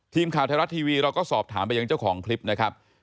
ทีมข่าวไทยรัฐทีวีเราก็สอบถามไปยังเจ้าของคลิปนะครับ